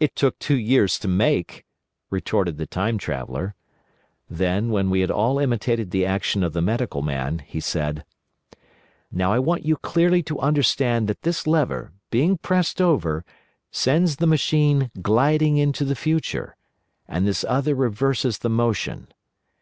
"It took two years to make," retorted the Time Traveller. Then, when we had all imitated the action of the Medical Man, he said: "Now I want you clearly to understand that this lever, being pressed over, sends the machine gliding into the future, and this other reverses the motion.